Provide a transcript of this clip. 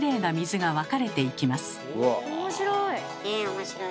面白い。